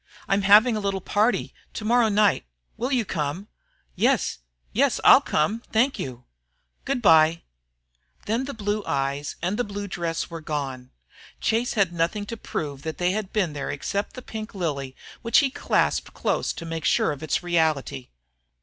"I'm having a little party to morrow night. Will you come?" "Yes, yes, I'll come thank you." "Good bye." Then the blue eyes and blue dress were gone. Chase had nothing to prove that they had been there except the pink lily which he clasped close to make sure of its reality.